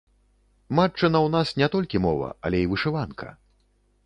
Матчына ў нас не толькі мова, але і вышыванка.